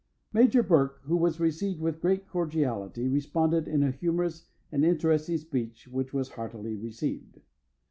Major Burke, who was received with great cordiality, responded in a humorous and interesting speech, which was heartily received.